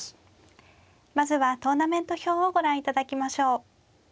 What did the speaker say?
まずはトーナメント表をご覧いただきましょう。